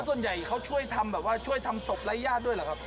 ส่วนใหญ่เขาช่วยทำแบบว่าช่วยทำศพไร้ญาติด้วยเหรอครับ